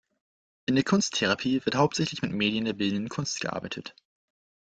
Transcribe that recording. In der Kunsttherapie wird hauptsächlich mit Medien der bildenden Kunst gearbeitet.